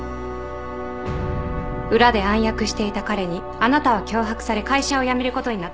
裏で暗躍していた彼にあなたは脅迫され会社を辞めることになった。